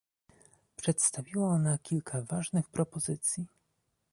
Przedstawiła ona kilka ważnych propozycji